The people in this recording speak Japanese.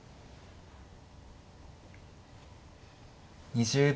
２０秒。